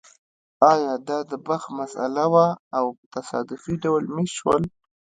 ایا دا د بخت مسئله وه او په تصادفي ډول مېشت شول